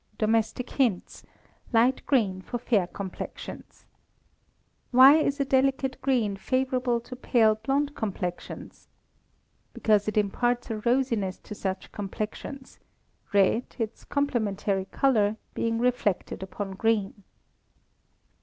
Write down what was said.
Domestic Hints (Light Green for Fair Complexions). Why is a delicate green favourable to pale blonde complexions? Because it imparts a rosiness to such complexions red, its complementary colour, being reflected upon green. 1804.